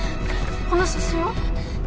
この写真は？